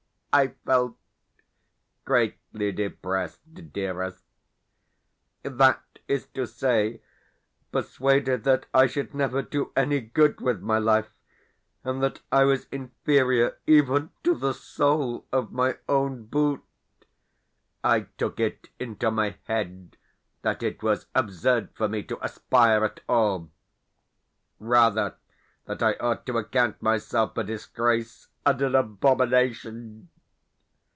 I felt greatly depressed, dearest. That is to say, persuaded that I should never do any good with my life, and that I was inferior even to the sole of my own boot, I took it into my head that it was absurd for me to aspire at all rather, that I ought to account myself a disgrace and an abomination.